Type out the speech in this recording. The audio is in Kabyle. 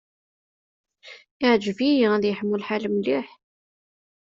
Iεǧeb-iyi ad yeḥmu lḥal mliḥ.